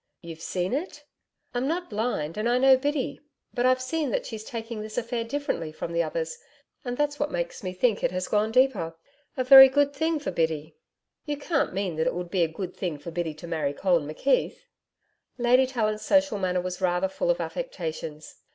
'You've seen it?' 'I'm not blind, and I know Biddy. But I've seen that she's taking this affair differently from the others, and that's what makes me think it has gone deeper. A very good thing for Biddy.' 'You can't mean that it would be a good thing for Biddy to marry Colin McKeith?' Lady Tallant's social manner was rather full of affectations.